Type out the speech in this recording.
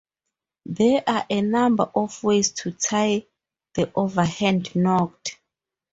There are a number of ways to tie the Overhand knot.